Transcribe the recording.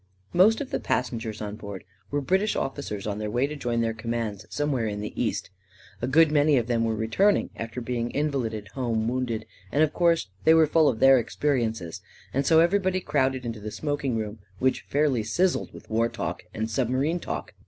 Most of the passengers on board were British officers on their way to join their commands some where in the east. A good many of them were re turning after having been invalided home wounded, and of course they were full of their experiences, and so everybody crowded into the smoking room, which fairly sizzled with *war talk, and submarine talk.